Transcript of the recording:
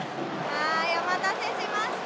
はいお待たせしました。